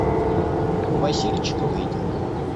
У Васильчикова идет.